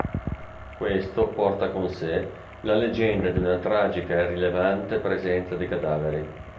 Questo porta con sé la leggenda di una tragica e rilevante presenza di cadaveri.